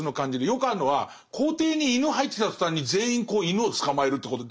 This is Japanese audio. よくあるのは校庭に犬入ってきた途端に全員犬を捕まえるってこと。